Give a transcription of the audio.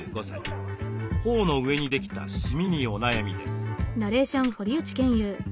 頬の上にできたシミにお悩みです。